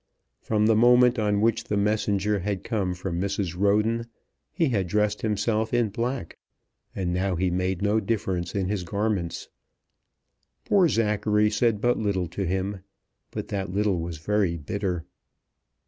From the moment on which the messenger had come from Mrs. Roden he had dressed himself in black, and he now made no difference in his garments. Poor Zachary said but little to him; but that little was very bitter.